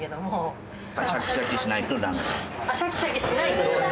あシャキシャキしないとダメ？